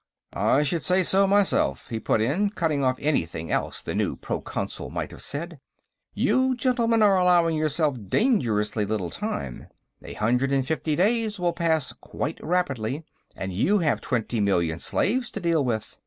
"I should say so, myself," he put in, cutting off anything else the new Proconsul might have said. "You gentlemen are allowing yourselves dangerously little time. A hundred and fifty days will pass quite rapidly, and you have twenty million slaves to deal with.